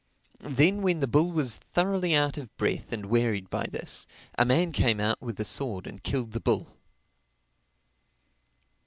Then, when the bull was thoroughly out of breath and wearied by this, a man came out with a sword and killed the bull.